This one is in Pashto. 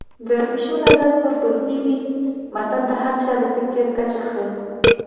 د پيشو نظر به کولپۍ وي متل د هر چا د فکر کچه ښيي